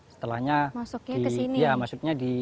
setelahnya masuknya di